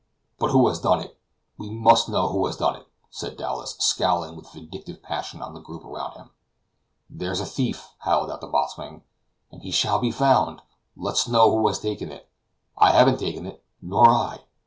"But who has done it? we must know who has done it," said Dowlas, scowling with vindictive passion on the group around him. "There's a thief," howled out the boatswain, "and he shall be found! Let's know who has taken it." "I haven't taken it!" "Nor I!